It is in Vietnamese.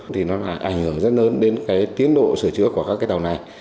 thì nó lại ảnh hưởng rất lớn đến cái tiến độ sửa chữa của các cái tàu này